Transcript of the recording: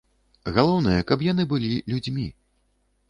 Галоўнае, каб яны былі людзьмі.